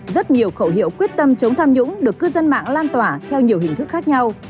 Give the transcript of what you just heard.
rất nhiều khẩu hiệu quyết tâm chống tham nhũng được cư dân mạng lan tỏa theo nhiều hình thức khác nhau